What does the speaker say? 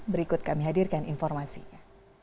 berikut kami hadirkan informasinya